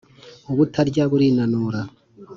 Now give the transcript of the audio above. Ubutarya burinanura